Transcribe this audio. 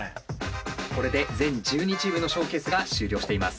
これで全１２チームのショーケースが終了しています。